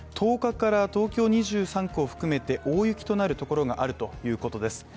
１０日から東京２３区を含めて大雪となるところがあるということです。